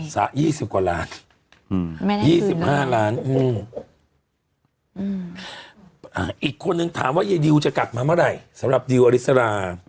๒๐กว่าล้าน๒๕ล้านอีกคนนึงถามว่ายายดิวจะกลับมาเมื่อไหร่สำหรับดิวอริสรา